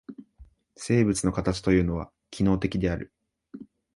生物の形というのは機能的である。